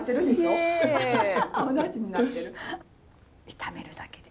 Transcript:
炒めるだけで。